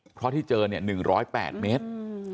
เพราะที่เจอ๑๐๘เมตร